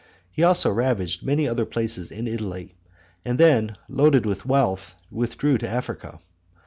He also ravaged many other places in Italy, and then, loaded with wealth, withdrew to Africa.